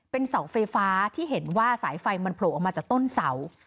เป็นเสาไฟฟ้าที่เห็นว่าสายไฟมันโผล่ออกมาจากต้นเสา